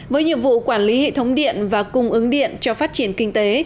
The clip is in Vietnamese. với nhiệm vụ quản lý hệ thống điện và cung ứng điện cho phát triển kinh tế